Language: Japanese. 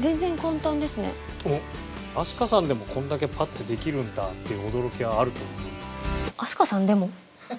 飛鳥さんでもこんだけパッてできるんだっていう驚きはあると思う。